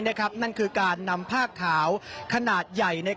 นั่นคือการนำผ้าขาวขนาดใหญ่